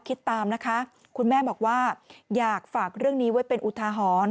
คิดตามนะคะคุณแม่บอกว่าอยากฝากเรื่องนี้ไว้เป็นอุทาหรณ์